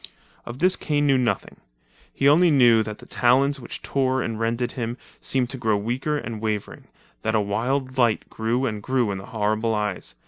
Of this Kane knew nothing; he only knew that the talons which tore and rended him seemed to grow weaker and wavering, that a wild light grew and grew in the horrible eyes.